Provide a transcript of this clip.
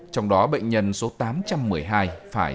trong đó bệnh nhân số tám trăm một mươi hai phải